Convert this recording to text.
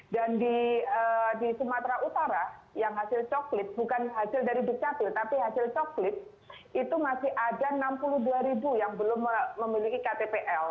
dan di sumatera utara yang hasil coklit bukan hasil dari duk capil tapi hasil coklit itu masih ada enam puluh dua ribu yang belum memiliki ktpl